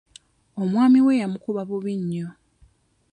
Omwami we yamukuba bubi nnyo.